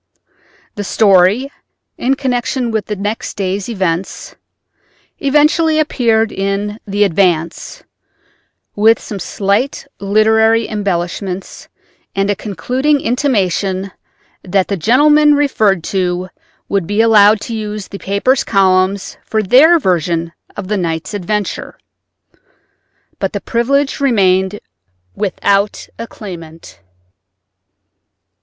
The story (in connection with the next day's events) eventually appeared in the Advance, with some slight literary embellishments and a concluding intimation that the gentlemen referred to would be allowed the use of the paper's columns for their version of the night's adventure. But the privilege remained without a claimant.